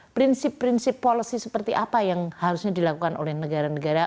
prinsip prinsip policy seperti apa yang harusnya dilakukan oleh negara negara